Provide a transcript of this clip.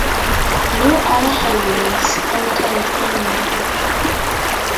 No other highways enter the commune.